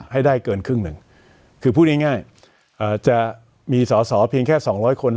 ให้ได้เกินครึ่งหนึ่งคือพูดง่ายง่ายอ่าจะมีสอสอเพียงแค่สองร้อยคนแล้ว